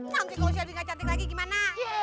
nanti kalau shelby gak cantik lagi gimana